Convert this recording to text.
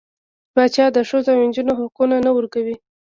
پاچا د ښځو او نجونـو حقونه نه ورکوي .